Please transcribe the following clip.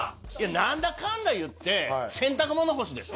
なんだかんだ言って洗濯物干しでしょ？